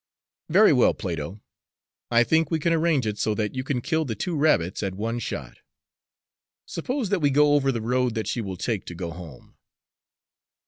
"Very well, Plato. I think we can arrange it so that you can kill the two rabbits at one shot. Suppose that we go over the road that she will take to go home."